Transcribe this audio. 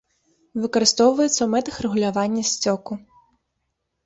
Выкарыстоўваецца ў мэтах рэгулявання сцёку.